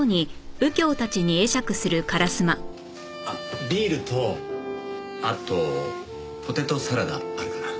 あっビールとあとポテトサラダあるかな？